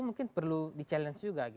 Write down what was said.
mungkin perlu di challenge juga